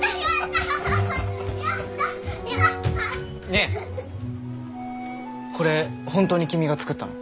ねえこれ本当に君が作ったの？